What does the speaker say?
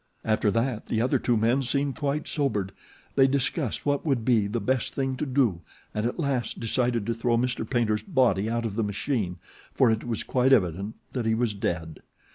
"After that the other two men seemed quite sobered. They discussed what would be the best thing to do and at last decided to throw Mr. Paynter's body out of the machine, for it was quite evident that he was dead.